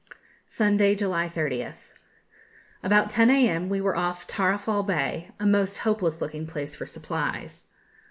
Sunday, July 30th. About 10 a.m. we were off Tarafal Bay a most hopeless looking place for supplies.